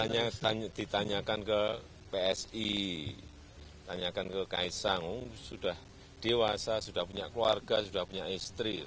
makanya ditanyakan ke psi tanyakan ke kaisang sudah dewasa sudah punya keluarga sudah punya istri